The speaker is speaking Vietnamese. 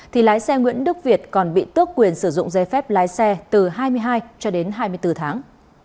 thì lái xe nguyễn đức việt còn bị tước quyền sử dụng dây phép lái xe từ hai mươi hai cho đến hai mươi bốn tháng